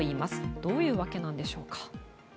どういう訳なんでしょうか？